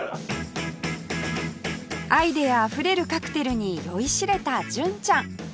アイデアあふれるカクテルに酔いしれた純ちゃん